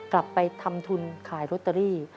กลับไปทำทุนขายโรตเตอรี่